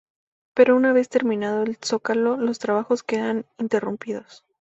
Pero una vez terminado el zócalo, los trabajos quedan interrumpidos.